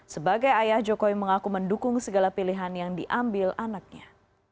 sebagai ayah jokowi mengaku mendukung segala pilihan yang diambil anaknya